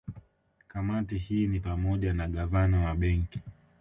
Kamati hii ni pamoja na Gavana wa Benki